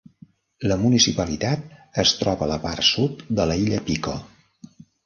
La municipalitat es troba a la part sud de la illa Pico.